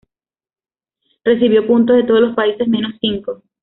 Recibió puntos de todos los países menos cinco.